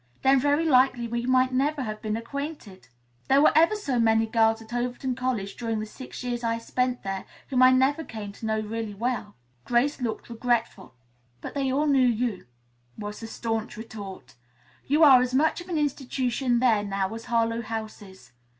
Then, very likely, we might never have become well acquainted. There were ever so many girls at Overton College during the six years that I spent there, whom I never came to know really well." Grace looked regretful. "But they all knew you," was the staunch retort. "You are as much of an institution there now as Harlowe House is.